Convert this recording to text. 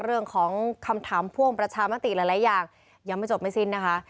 เรื่องของคำถามพ่วงประชามติหลายอย่างยังไม่จบไม่สิ้นนะคะ